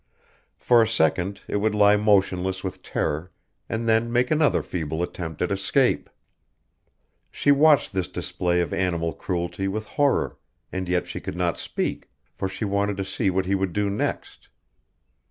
For a second it would lie motionless with terror and then make another feeble attempt at escape. She watched this display of animal cruelty with horror, and yet she could not speak, for she wanted to see what he would do next.